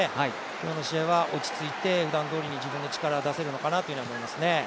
今日の試合は落ち着いてふだんどおりの自分の力を出せるのかなと思いますね。